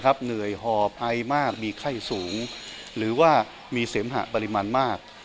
เหนื่อยหอบไอมากมีไข้สูงหรือว่ามีเสมหะปริมาณมาก